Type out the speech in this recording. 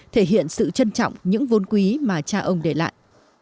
thể hiện sự trân trọng những vốn quý mà cha ông để lại